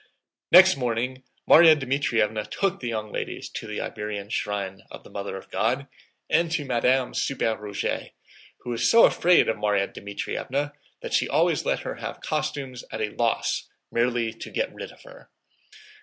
Next morning Márya Dmítrievna took the young ladies to the Iberian shrine of the Mother of God and to Madame Suppert Roguet, who was so afraid of Márya Dmítrievna that she always let her have costumes at a loss merely to get rid of her.